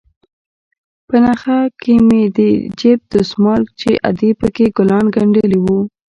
په نخښه کښې مې د جيب دسمال چې ادې پکښې ګلان گنډلي وو.